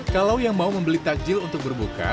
kalau yang mau membeli takjil untuk berbuka